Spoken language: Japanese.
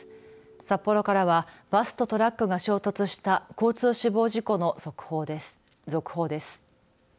札幌からはバスとトラックが衝突した交通死亡事故の続報です。